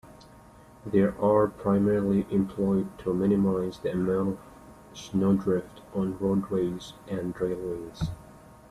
They are primarily employed to minimize the amount of snowdrift on roadways and railways.